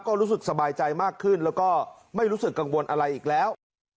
ก็รู้สึกสบายใจมากขึ้นแล้วก็ไม่รู้สึกกังวลอะไรอีกแล้ว